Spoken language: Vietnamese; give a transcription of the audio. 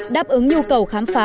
đáp ứng nhu cầu khám phá